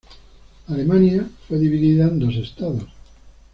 Alemania fue dividida en dos estados.